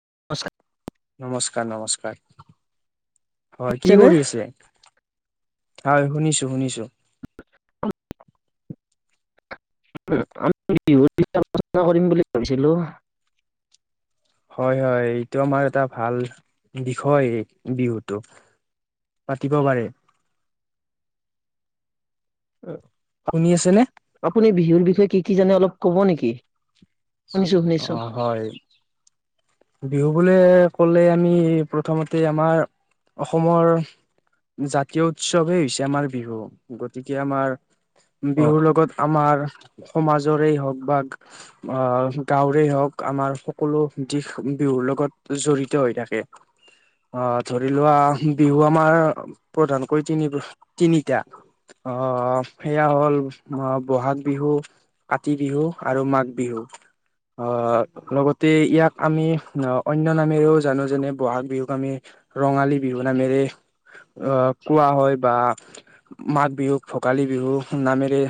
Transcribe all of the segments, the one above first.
[unintelligible] নমস্কাৰ, নমস্কাৰ। হয় কি যেনে কৰি আছে? হয়। শুনিছোঁ, শুনিছোঁ। আমি, বিহুৰ বিষয়ে আলোচনা কৰিম বুলি ভাবিছিলোঁ? হয়, হয়। এইটো আমাৰ এটা ভাল বিষয় বিহুতটো। পাতিব পাৰে। [inaudible] শুনি আছে নে আপুনি বিহুৰ বিষয়ে কি, কি জানে অলপ ক'ব নেকি? শুনিছো শুনিছো অ'! হয়। বিহু বোলে ক'লে আমি, প্ৰথমতে আমাৰ অসমৰ জাতীয় উৎসৱে হৈছে, আমাৰ বিহু। গতিকে, আমাৰ অ বিহুৰ লগত আমাৰ সমাজ যৰে হওঁক বা অ'! গাঁৱৰে হওঁক আমাৰ সকলো [unintelligible] বিহুৰ লগত জড়িত হৈ থাকে। আঁ ধৰি লোৱা বিহু আমাৰ প্ৰধানকৈ তিনি, তিনিটা। অ'! সেয়া হ'ল আঁ বহাগ বিহু। কাতি বিহু আৰু মাঘ বিহু। অ'! লগতে ইয়াক আমি অন্য নামেৰেও জানোঁ। যেনে বহাগ বিহুক আমি ৰঙালী বিহু নামেৰে আঁ কোৱা হয় বা মাঘ বিহুক, ভোগালী বিহু নামেৰে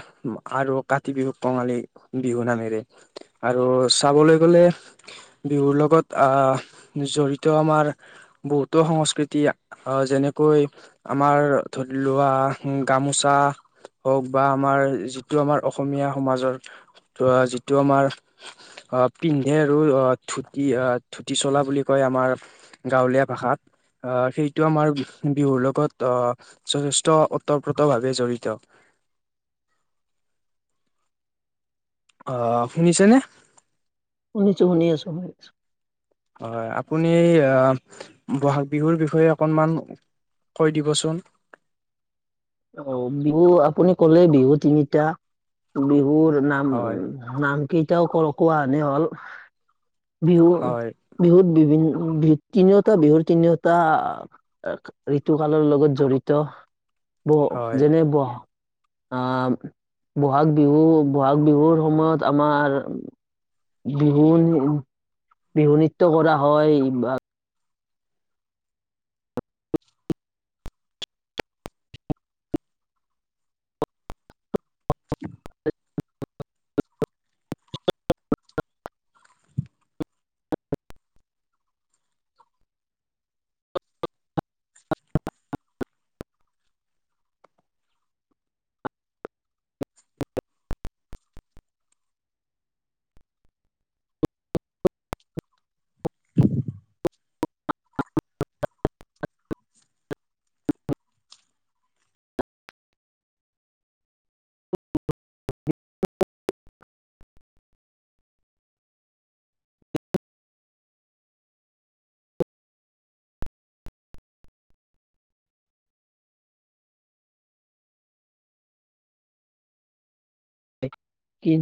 আৰু কাতি বিহুক কঙালী বিহু নামেৰে আৰু চাবলৈ গ'লে বিহুৰ লগত আঁ জড়িত আমাৰ বহুতো সংস্কৃতি আঁ যেনেকৈ কৈ আমাৰ ধৰি লোৱা, গামোচা হওঁক বা আমাৰ যিটো আমাৰ অসমীয়া সমাজৰ, যিটো আমাৰ আঁ পিন্ধে আৰু অ'! ধুতি আহ ধুতি, চলা বুলি কয়, আমাৰ গাঁৱলীয়া ভাষাত। আঁ সেইটো আমাৰ, বিহুৰ লগত আঁ যথেষ্ট ওতপ্ৰোতভাৱে জড়িত। [inaudible] অ'! শুনিছানে? শুনিছোঁ, শুনি আছোঁ, শুনিছোঁ। হয়। আপুনি আঁ বহাগ বিহুৰ বিষয়ে অকনমান কৈ দিবচোন? অ'! বিহু, আপুনি ক'লে, বিহু তিনিটা। বিহুৰ নাম, হয় নাম, কেইটাও কোৱা আনে হ'ল। বিহু, হয় বিহুত বিভিন বি তিনিওটা বিহুৰ তিনিওটা আক ঋতু কালৰ লগত জড়িত ব হয় যেনে বোৱা আ বহাগ বিহু বহাগ বিহুৰ সময়ত আমাৰ বিহু বিহু নৃত্য কৰা হয় বা [unintelligible] কি